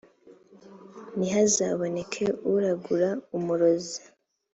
ntihazaboneke uragura umurozi